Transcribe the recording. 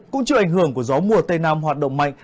cũng chịu ảnh hưởng của gió mùa tây nam hoạt động mạnh